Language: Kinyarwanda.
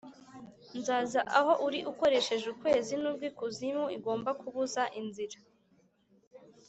nzaza aho uri ukoresheje ukwezi, nubwo ikuzimu igomba kubuza inzira!